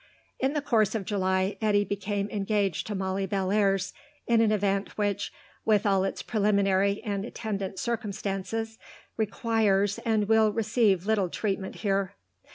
In the course of July, Eddy became engaged to Molly Bellairs, an event which, with all its preliminary and attendant circumstances, requires and will receive little treatment here.